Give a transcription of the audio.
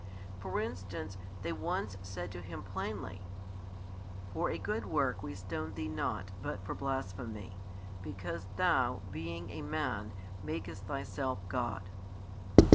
For instance they once said to Him plainly: For a good work we stone Thee not, but for blasphemy; because Thou, being a Man, makest Thyself God.